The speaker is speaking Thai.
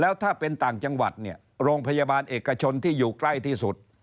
แล้วถ้าเป็นต่างจังหวัดเนี่ยโรงพยาบาลเอกชนที่อยู่ใกล้ที่สุด